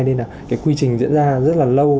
nên là cái quy trình diễn ra rất là lâu